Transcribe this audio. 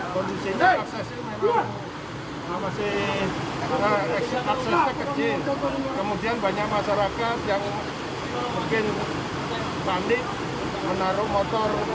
kemudian banyak masyarakat yang mungkin talk angels m gerek trapun herit ber clapham